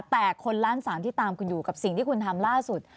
แต่คนล้านสามที่ตามคุณอยู่กับสิ่งที่คุณทำล่าสุด